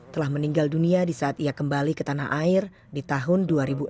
telah meninggal dunia di saat ia kembali ke tanah air di tahun dua ribu enam